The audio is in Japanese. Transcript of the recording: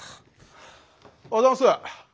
おはようございます。